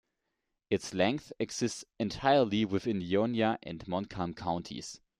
Its length exists entirely within Ionia and Montcalm counties.